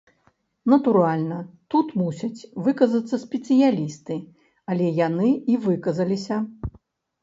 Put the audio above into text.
Натуральна, тут мусяць выказацца спецыялісты, але яны і выказаліся.